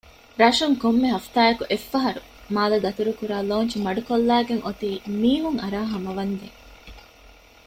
ރަށުން ކޮންމެ ހަފްތާއަކު އެއްފަހަރު މާލެ ދަތުރު ކުރާ ލޯންޗު މަޑުކޮށްލައިގެންއޮތީ މީހުންއަރާ ހަމަވަންދެން